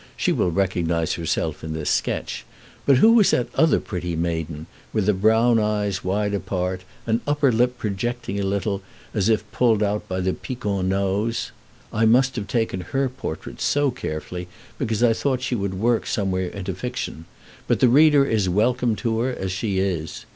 She will recognize herself in this sketch; but who was that other pretty maiden, with brown eyes wide apart, and upper lip projecting a little, as if pulled out by the piquant nose? I must have taken her portrait so carefully because I thought she would work somewhere into fiction; but the reader is welcome to her as she is.